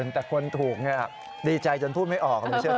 แต่คนถูกดีใจจนพูดไม่ออก